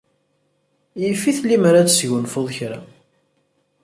Yif-it lemmer ad tesgunfuḍ kra.